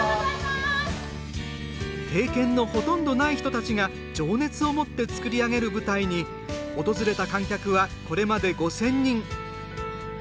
経験のほとんどない人たちが情熱を持って作り上げる舞台に訪れた観客はこれまで５０００人。